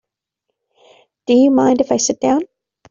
Do you mind if I sit down?